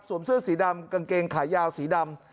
เสื้อสีดำกางเกงขายาวสีดำ